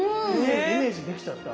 イメージできちゃった。